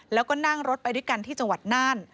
แล้วก็นั่งรถไปด้วยกันที่จังหวัดน่าน